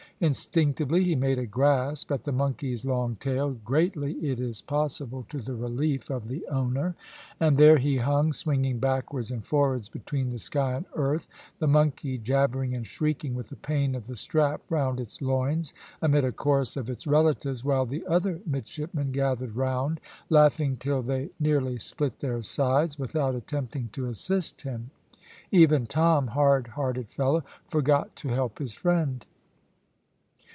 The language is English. Instinctively he made a grasp at the monkey's long tail, greatly, it is possible, to the relief of the owner; and there he hung, swinging backwards and forwards between the sky and earth, the monkey jabbering and shrieking with the pain of the strap round its loins, amid a chorus of its relatives, while the other midshipmen gathered round, laughing till they nearly split their sides, without attempting to assist him. Even Tom hard hearted fellow forgot to help his friend.